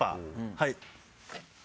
はい。